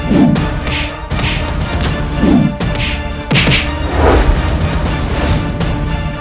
jangan ke rakyat satang tidak